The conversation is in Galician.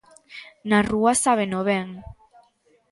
Na rúa sábeno ben.